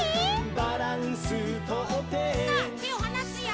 「バランスとって」さあてをはなすよ。